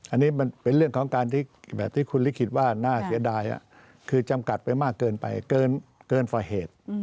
อันนี้เป็นเรื่องที่คุณลิคคิดว่าน่าเสียดายคือจำกัดไปมากเกินไปเกินฝ่าเหตุ